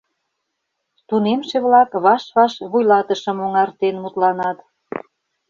Тунемше-влак ваш-ваш вуйлатышым оҥартен мутланат.